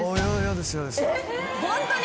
ホントに？